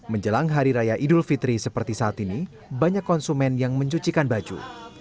menjelang hari raya idul fitri seperti saat ini banyak konsumen yang mencucikan baju